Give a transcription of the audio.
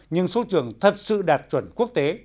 nhưng số trường thật sự đạt chuẩn quốc tế